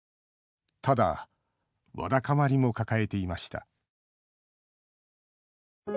ただ、わだかまりも抱えていました。